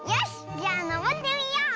じゃあのぼってみよう！